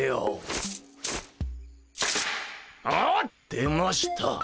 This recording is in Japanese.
出ました！